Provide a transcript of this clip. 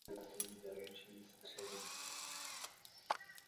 Tyto pokyny nejsou politickým programem jako takovým.